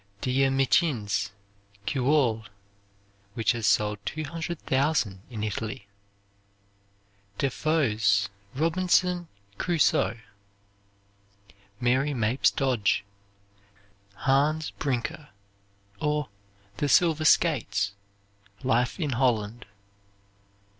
"De Amicin's Cuore," which has sold 200,000 in Italy. DeFoe's "Robinson Crusoe." Mary Mapes Dodge, "Hans Brinker," or "The Silver Skates," "Life in Holland."